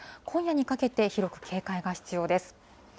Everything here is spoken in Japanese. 今夜にかけて広く警戒が必要です。